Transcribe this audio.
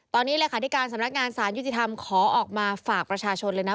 ตอนนี้เลขาธิการสำนักงานสารยุติธรรมขอออกมาฝากประชาชนเลยนะ